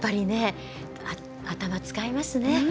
頭使いますね。